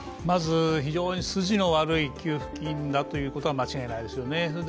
まず非常に筋の悪い給付金だということは間違いないですよね。